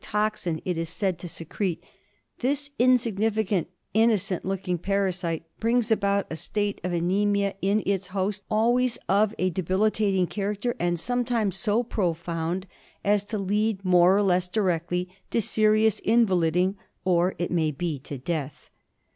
tic toxin it is said to secrete, this insignificant innocent looking parasite brings about a state of anasmia in its host, always of a debilitating character, and sometimes so pro found as to lead more or less directly to seri ous invaliding or . HI qpf itmaybetodeath.